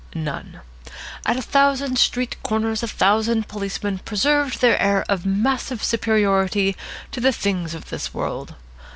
None. At a thousand street corners a thousand policemen preserved their air of massive superiority to the things of this world.